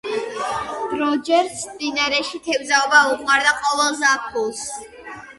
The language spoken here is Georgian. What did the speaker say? როჯერსს მდინარეში თევზაობა უყვარდა ყოველ ზაფხულს.